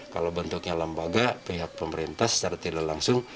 kalau bentuknya lembaga pihak pemerintah secara tidak langsung